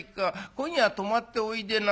今夜泊まっておいでなね」。